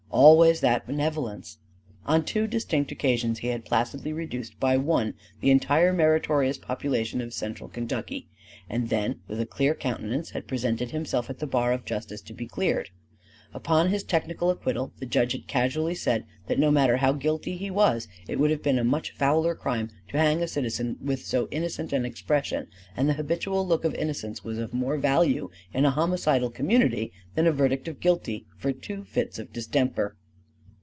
Always that benevolence. On two distinct occasions he had placidly reduced by one the entire meritorious population of central Kentucky; and then with a clear countenance, had presented himself at the bar of justice to be cleared. Upon his technical acquittal, the judge had casually said that no matter how guilty he was, it would have been a much fouler crime to hang a citizen with so innocent an expression; that the habitual look of innocence was of more value in a homicidal community than a verdict of guilty for two fits of distemper!